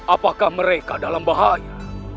apakah mereka dalam bahaya